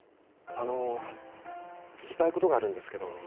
あの聞きたいことがあるんですけど